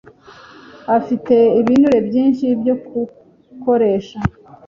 afite ibinure byinshi byo gukoresha